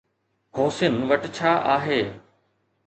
حوثين وٽ ڇا آهي؟